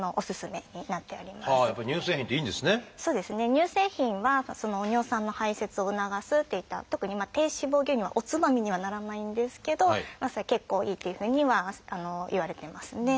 乳製品は尿酸の排せつを促すといった特に低脂肪牛乳はおつまみにはならないんですけど結構いいというふうにはいわれてますね。